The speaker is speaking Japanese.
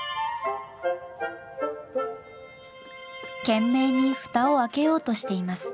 懸命に蓋を開けようとしています。